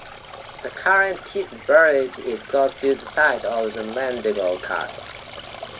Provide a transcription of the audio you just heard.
The current Tees Barrage is close to the site of the Mandale Cut.